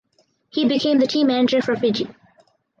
He became the team manager for Fiji.